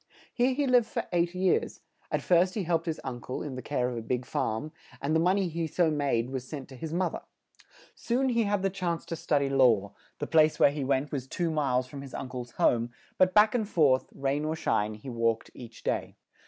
Here he lived for eight years; at first he helped his un cle, in the care of a big farm, and the mon ey he so made was sent to his moth er. Soon he had the chance to stud y law; the place where he went was two miles from his un cle's home, but back and forth, rain or shine, he walked each day.